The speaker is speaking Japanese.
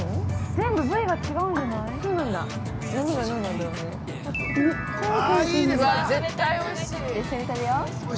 ◆全部部位が違うんじゃない？